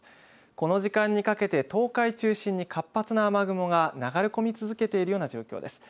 この時間にかけて東海中心に活発な雨雲が流れ込み続けているような状況です。